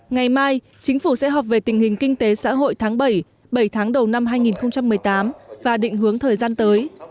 ngày mai chính phủ sẽ họp về tình hình kinh tế xã hội tháng bảy bảy tháng đầu năm hai nghìn một mươi tám và định hướng thời gian tới